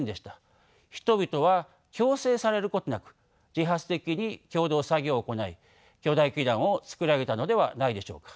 人々は強制されることなく自発的に共同作業を行い巨大基壇を造り上げたのではないでしょうか。